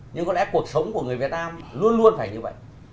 nhưng có lẽ cuộc sống của người việt nam luôn luôn phải như vậy